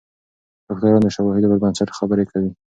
ډاکتران د شواهدو پر بنسټ خبرې کوي.